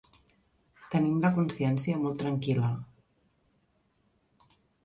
Tenim la consciència molt tranquil·la.